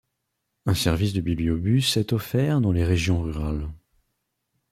Un service de bibliobus est offert dans les régions rurales.